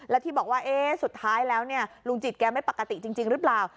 แล้วที่บอกว่าสุดท้ายแล้วลุงจิตแกไม่ปกติจริงหรือเปล่า